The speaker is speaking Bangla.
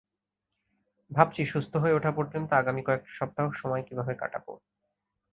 ভাবছি, সুস্থ হয়ে ওঠা পর্যন্ত আগামী কয়েকটা সপ্তাহ সময় কীভাবে কাটাব।